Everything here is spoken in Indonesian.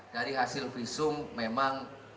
dari hasil visum memang